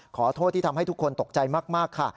ขอโทษที่ทำให้ทุกคนตกใจมากค่ะ